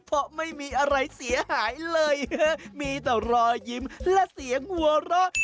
เพราะไม่มีอะไรเสียหายเลยมีแต่รอยยิ้มและเสียงหัวเราะ